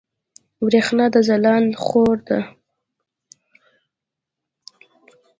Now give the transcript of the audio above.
برېښنا د ځلاند خور ده